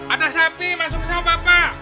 ada sapi masuk ke sana bapak